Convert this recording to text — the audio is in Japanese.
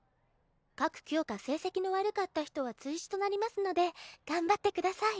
各教科成績の悪かった人は追試となりますので頑張ってください。